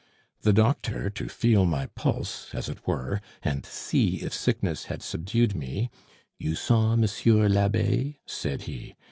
The doctor, to feel my pulse, as it were, and see if sickness had subdued me 'You saw Monsieur l'Abbe?' said he.